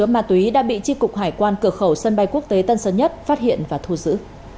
mà tùy đã bị chi cục hải quan cửa khẩu sân bay quốc tế tân sơn nhất phát hiện và thu giữ